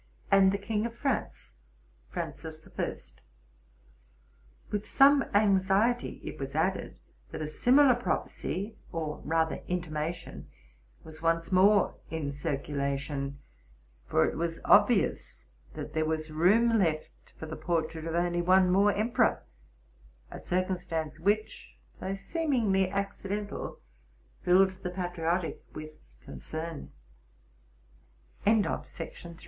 and the king of France, Francis I. With some anxiety it was added, that a similar prophecy, or rather intimation, was once more in circulation ; for it was obvious that there was room left for the portrait of only one more emperor, —a circumstance which, though seemingly accidental, filled the patriotic with